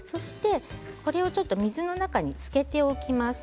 これを水の中につけておきます。